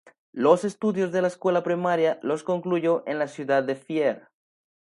Los estudios de la escuela primaria, los concluyó en la ciudad de Fier.